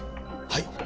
はい。